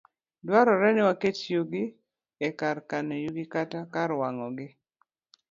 Dwarore ni waket yugi e kar kano yugi, kata kar wang'ogi.